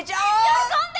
喜んで！